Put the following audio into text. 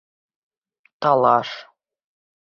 Талаш.